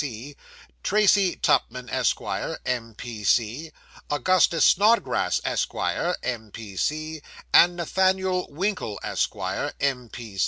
P.C., Tracy Tupman, Esq., M.P.C., Augustus Snodgrass, Esq., M.P.C., and Nathaniel Winkle, Esq., M.